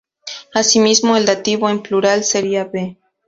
Asimismo el dativo en plural sería -b-.